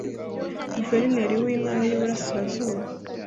Guverineri w Intara y Iburasirazuba